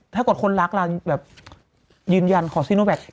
ถ้าคนรักแล้วอย่าง